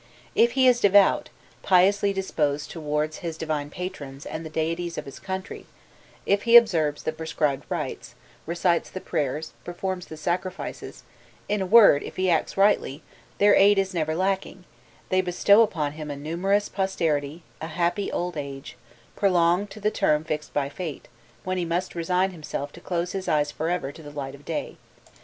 If he is devout, piously disposed towards his divine patrons and the deities of his country, if he observes the prescribed rites, recites the prayers, performs the sacrifices in a word, if he acts rightly their aid is never lacking; they bestow upon him a numerous posterity, a happy old age, prolonged to the term fixed by fate, when he must resign himself to close his eyes for ever to the light of day.